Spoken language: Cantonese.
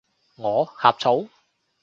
我？呷醋？